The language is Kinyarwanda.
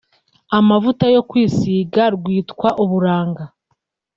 amavuta yo kwisiga rwitwa ‘Uburanga’